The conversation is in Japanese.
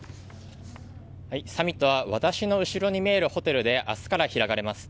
サミットは私の後ろに見えるホテルで明日から開かれます。